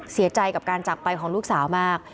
เสียใจกับการจักรไปของลูกสาวมาก